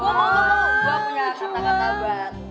gue punya kata kata banget